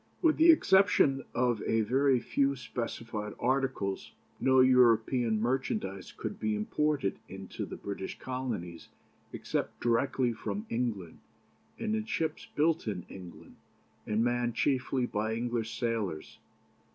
With the exception of a very few specified articles no European merchandise could be imported into the British Colonies except directly from England, in ships built in England, and manned chiefly by English sailors.